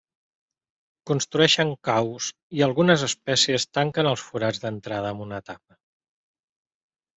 Construeixen caus, i algunes espècies tanquen els forats d'entrada amb una tapa.